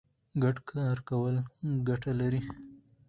ګډ کار کول ګټه لري.